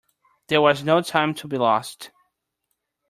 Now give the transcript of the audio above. There was no time to be lost.